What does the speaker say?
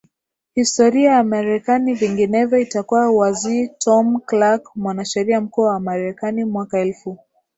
historia ya Marekani Vinginevyo itakuwa waziTom Clark Mwanasheria Mkuu wa Marekani mwaka elfu